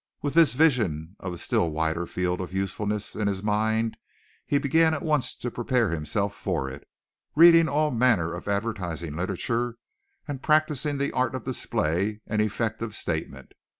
With this vision of a still wider field of usefulness in his mind, he began at once to prepare himself for it, reading all manner of advertising literature and practicing the art of display and effective statement.